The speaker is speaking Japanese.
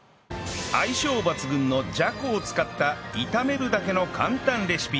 相性抜群のじゃこを使った炒めるだけの簡単レシピ